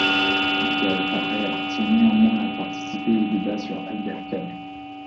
Michael Paraire tient néanmoins à participer au débat sur Albert Camus.